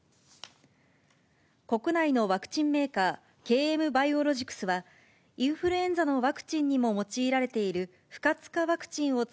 国内のワクチンメーカー、ＫＭバイオロジクスは、インフルエンザのワクチンにも用いられている不活化ワクチンを使